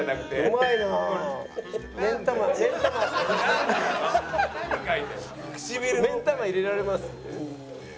目ん玉入れられます？